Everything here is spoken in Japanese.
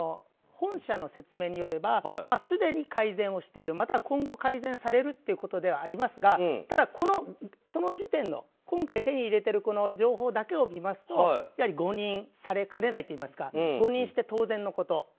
本社の説明によればすでに改善をしているまたは今後改善されるということではありますがただ、その時点の今回手に入れている情報だけを見ますと誤認されかねないといいますか誤認して当然のこと。